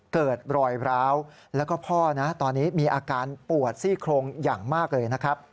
เกิดรอยร้าวแล้วก็พ่อนะตอนนี้มีอาการปวดซี่โครงอย่างมากเลยนะครับ